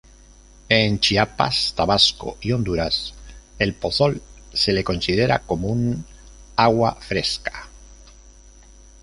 En Chiapas, Tabasco y Honduras, al pozol se le considera como un agua fresca.